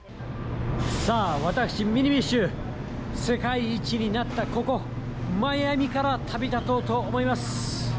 さあ、私、ミニビッシュ、世界一になったここ、マイアミから旅立とうと思います。